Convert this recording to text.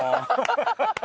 ハハハハ！